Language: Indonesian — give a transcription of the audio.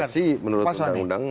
karena versi menurut undang undang